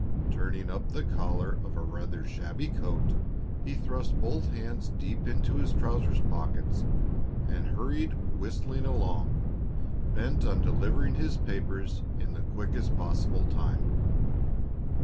Turning up the collar of a rather shabby coat, he thrust both hands deep into his trousers' pockets and hurried whistling along, bent on delivering his papers in the quickest possible time.